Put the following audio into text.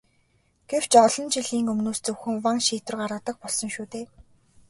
Гэвч олон жилийн өмнөөс зөвхөн ван шийдвэр гаргадаг болсон шүү дээ.